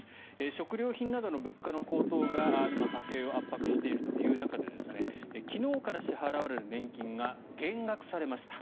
食料品などの物価の高騰が今、家計を圧迫しているという中で昨日から支払われる年金が減額されました。